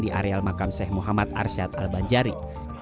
di areal makam sheikh muhammad arsyad al banjari